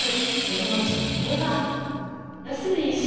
でも女性は。